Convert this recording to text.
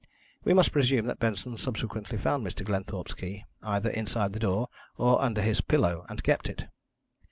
We must presume that Benson subsequently found Mr. Glenthorpe's key, either inside the door or under his pillow, and kept it.